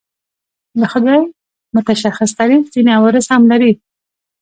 د خدای متشخص تعریف ځینې عوارض هم لري.